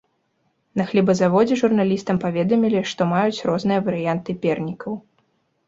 На хлебазаводзе журналістам паведамілі, што маюць розныя варыянты пернікаў.